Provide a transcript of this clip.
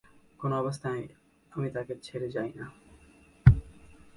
কোন অবস্থায় আমি তাঁকে ছেড়ে যাই না।